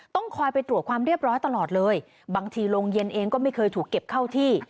ต้องคอยไปตรวจความเรียบร้อยตลอดเลยบางทีโรงเย็นเองก็ไม่เคยถูกเก็บเข้าที่